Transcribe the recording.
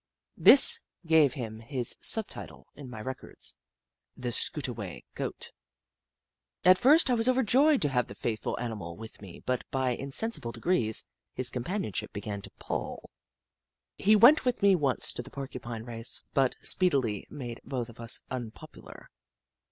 This gave him his sub title in my records :" The Skootaway Goat." At first I was overjoyed to have the faithful animal with me, but, by insensible degrees, his companionship began to pall. He went with me once to the Porcupine race, but speedily made both of us unpopular.